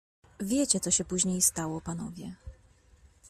"Wiecie, co się później stało, panowie."